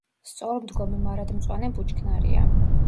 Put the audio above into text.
სწორმდგომი მარადმწვანე ბუჩქნარია.